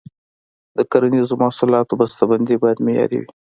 د کرنیزو محصولاتو بسته بندي باید معیاري وي.